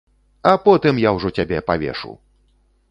А потым я ўжо цябе павешу!